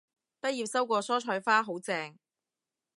畢業收過蔬菜花，好正